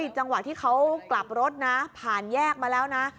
จังหวะที่เขากลับรถนะผ่านแยกมาแล้วนะ